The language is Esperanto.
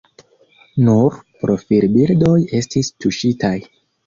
Nur profilbildoj estis tuŝitaj.